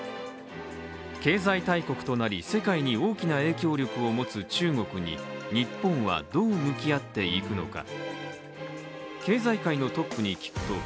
経済大国となり世界に大きな影響力を持つ中国に日本はどう向き合っていくのか。